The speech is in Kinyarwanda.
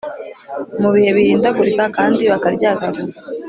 mu bihe bihindagurika kandi bakaryagagura